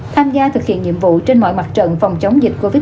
tham gia thực hiện nhiệm vụ trên mọi mặt trận phòng chống dịch covid một mươi